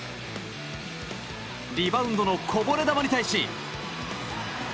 リバウンドのこぼれ球に対し。